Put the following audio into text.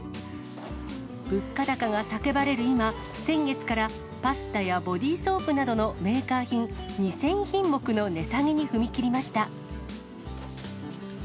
物価高が叫ばれる今、先月から、パスタやボディーソープなどのメーカー品２０００品目の値下げに踏み切りました。